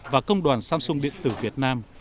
và công đoàn samsung điện tử việt nam